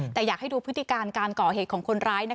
แต่อยากให้ดูพฤติการการก่อเหตุของคนร้าย